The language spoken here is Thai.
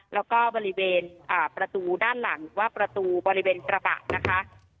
แล้วก็บริเวณประตูด้านหลังหรือว่าประตูบริเวณกระบะนะคะ